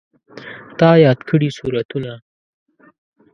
تا یاد کړي سورتونه